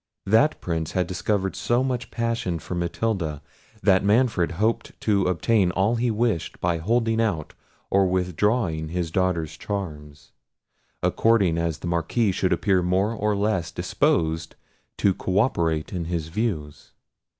That Prince had discovered so much passion for Matilda, that Manfred hoped to obtain all he wished by holding out or withdrawing his daughter's charms, according as the Marquis should appear more or less disposed to co operate in his views.